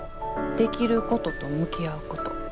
「できることと向き合うこと」。